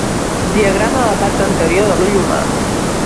Diagrama de la part anterior de l'ull humà.